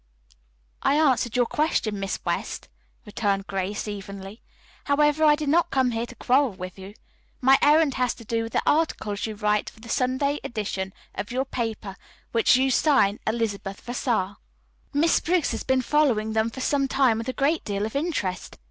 "I answered your question, Miss West," returned Grace evenly. "However, I did not come here to quarrel with you. My errand has to do with the articles you write for the Sunday edition of your paper which you sign 'Elizabeth Vassar.' Miss Briggs has been following them for some time with a great deal of interest.